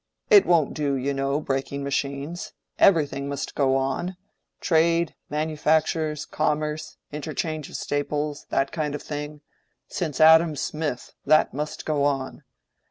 It won't do, you know, breaking machines: everything must go on—trade, manufactures, commerce, interchange of staples—that kind of thing—since Adam Smith, that must go on.